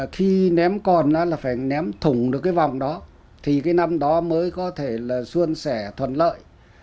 thì cái năm đó mới có thể là xuân sẻ thuận lợi